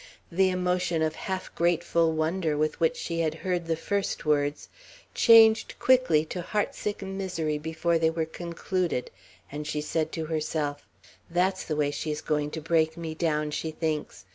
The emotion of half grateful wonder with which she had heard the first words changed quickly to heartsick misery before they were concluded; and she said to herself: "That's the way she is going to break me down, she thinks!